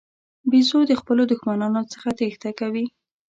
بیزو د خپلو دښمنانو څخه تېښته کوي.